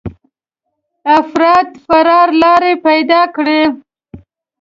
افراد فرار لاره پيدا کړي.